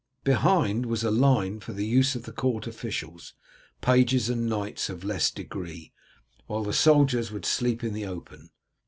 Behind was a line for the use of the court officials, pages, and knights of less degree, while the soldiers would sleep in the open.